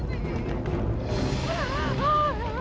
diri aku ingat diri allah diri